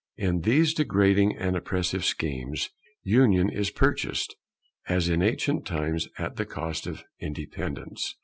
In these degrading and oppressive schemes, union is purchased, as in ancient times, at the cost of independence.